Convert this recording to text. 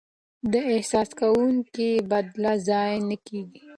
د احسان کوونکو بدله ضایع نه کیږي.